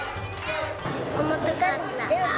重たかった。